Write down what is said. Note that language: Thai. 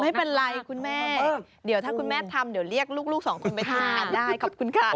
ไม่เป็นไรคุณแม่เดี๋ยวถ้าคุณแม่ทำเรียกลูก๒ไปทานได้ขอบคุณค่ะ